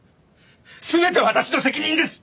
全て私の責任です！